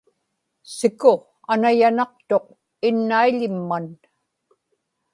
siku anayanaqtuq innaiḷimman